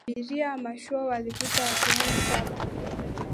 abiria wa mashua walivuta watu wengine saba